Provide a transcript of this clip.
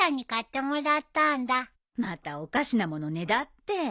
またおかしな物ねだって。